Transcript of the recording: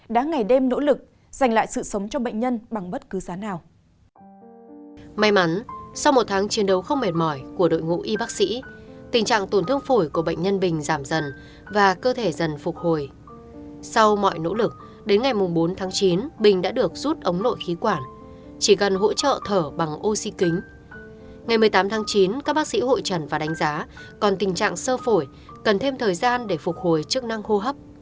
đã ngày đêm nỗ lực giành lại sự sống cho bệnh nhân bằng bất cứ giá nào